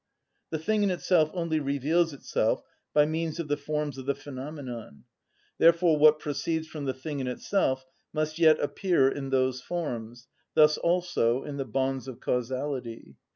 The thing in itself only reveals itself by means of the forms of the phenomenon; therefore what proceeds from the thing in itself must yet appear in those forms, thus also in the bonds of causality.